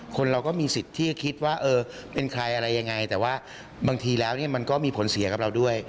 คนเราก็มีสิทธิ์ที่จะคิดว่าเออเป็นใครอะไรยังไงแต่ว่าบางทีแล้วเนี่ยมันก็มีผลเสียกับเราด้วย